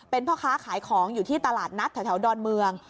เป็นพ่อค้าขายของอยู่ที่ตลาดนัดแถวดอนเมือง